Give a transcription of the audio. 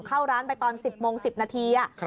เข้าร้านไปตอน๑๐โมง๑๐นาที